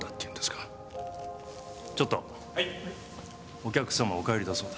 お客様お帰りだそうだ。